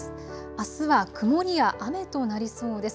あすは曇りや雨となりそうです。